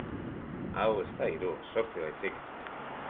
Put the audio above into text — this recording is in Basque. Hau ez da hiru, zortzi baizik.